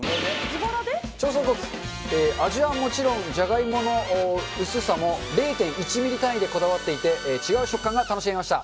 調査報告、味はもちろん、じゃがいもの薄さも０．１ミリ単位でこだわっていて、違う食感が楽しめました。